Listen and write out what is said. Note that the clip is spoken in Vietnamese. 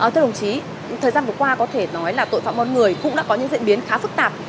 thưa đồng chí thời gian vừa qua có thể nói là tội phạm buôn người cũng đã có những diễn biến khá phức tạp